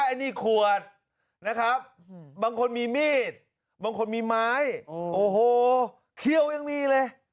อันนี้ขวดนะครับบางคนมีมีดบางคนมีไม้โอ้โหเขี้ยวยังมีเลย